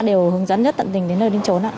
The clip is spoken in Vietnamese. đều hướng dẫn nhất tận tình đến nơi đến trốn